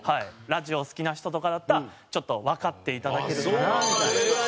ラジオ好きな人とかだったらわかっていただけるかなみたいな。